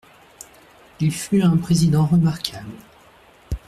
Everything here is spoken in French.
Il fut un président remarquable.